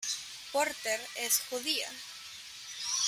Porter es judía.